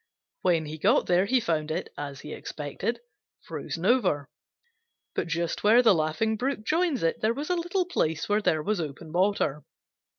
When he got there he found it, as he expected, frozen over. But just where the Laughing Brook joins it there was a little place where there was open water.